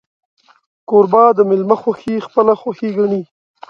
کوربه د میلمه خوښي خپله خوښي ګڼي.